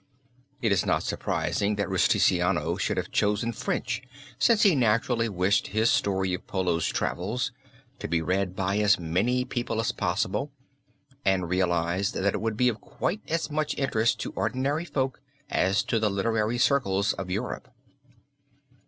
It is not surprising that Rusticiano should have chosen French since he naturally wished his story of Polo's travels to be read by as many people as possible and realized that it would be of quite as much interest to ordinary folk as to the literary circles of Europe.